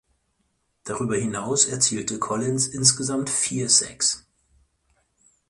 Darüber hinaus erzielte Collins insgesamt vier Sacks.